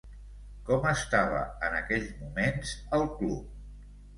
Com estava en aquells moments el club?